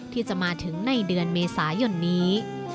ที่จะมาถึงในเดือนเมษายนนี้